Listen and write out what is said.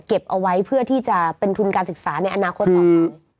เจ็บเอาไว้เพื่อที่จะเป็นทุนการศึกษาในอนาคตของเค้า